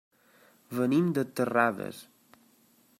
Venim de Terrades.